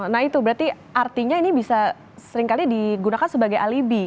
nah itu berarti artinya ini bisa seringkali digunakan sebagai alibi